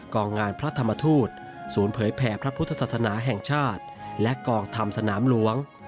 งานพระธรรมทูตศูนย์เผยแผ่พระพุทธศาสนาแห่งชาติและกองธรรมสนามหลวง